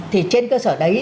thì trên cơ sở đấy